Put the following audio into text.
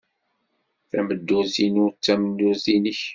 Tameddurt-inu d tameddurt-nnek.